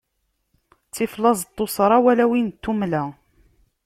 Ttif laẓ n tuṣṣra, wala win n tummla.